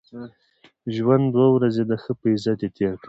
ژوند دوې ورځي دئ؛ ښه په عزت ئې تېر کئ!